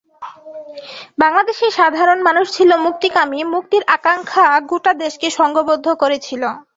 বাংলাদেশের সাধারণ মানুষ ছিল মুক্তিকামী, মুক্তির আকাঙ্ক্ষা গোটা দেশকে সংঘবদ্ধ করেছিল।